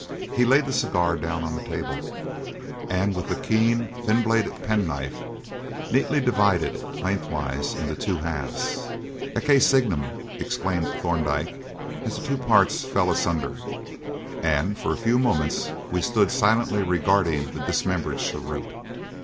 He laid the cigar down on the table, and, with the keen, thin bladed penknife, neatly divided it lengthwise into two halves. "Ecce signum!" exclaimed Thorndyke, as the two parts fell asunder; and for a few moments we stood silently regarding the dismembered cheroot.